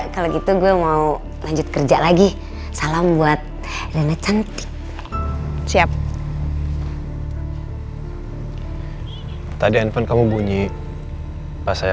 kalau gitu gue mau lanjut kerja lagi salam buat rene cantik siap tadi handphone kamu bunyi pas saya